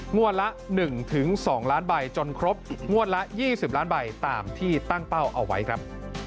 งวดละ๑๒ล้านใบจนครบงวดละ๒๐ล้านใบตามที่ตั้งเป้าเอาไว้ครับ